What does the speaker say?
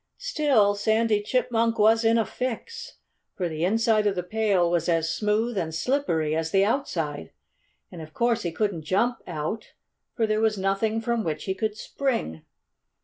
Still, Sandy Chipmunk was in a fix. For the inside of the pail was as smooth and slippery as the outside. And of course he couldn't jump out, for there was nothing from which he could spring.